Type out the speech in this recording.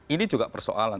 ini juga persoalan